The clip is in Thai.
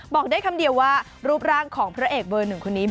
บอกได้คำเดียวว่ารูปร่างของพระเอกเบอร์หนึ่งคนนี้